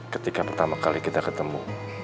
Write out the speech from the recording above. ketika pertama kali kita ketemu